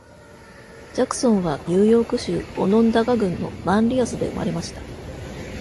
ジャクソンはニューヨーク州オノンダガ郡のマンリアスで生まれました。